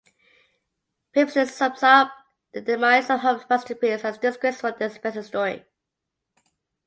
Pevsner sums up the demise of Hope's masterpiece as 'a disgraceful and depressing story'.